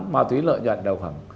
mà thúy lợi nhuận được khoảng